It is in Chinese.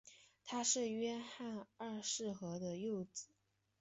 他是约翰二世和的幼子。